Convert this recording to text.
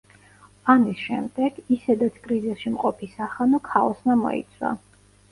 ამის შემდეგ ისედაც კრიზისში მყოფი სახანო ქაოსმა მოიცვა.